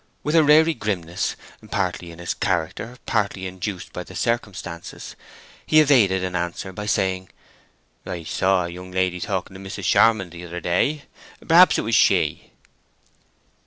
With a wary grimness, partly in his character, partly induced by the circumstances, he evaded an answer by saying, "I saw a young lady talking to Mrs. Charmond the other day; perhaps it was she."